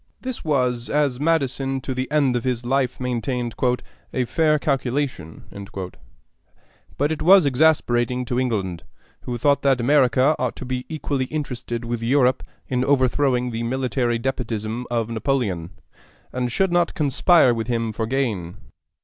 This was, as Madison to the end of his life maintained, "a fair calculation;" but it was exasperating to England, who thought that America ought to be equally interested with Europe in overthrowing the military despotism of Napoleon, and should not conspire with him for gain.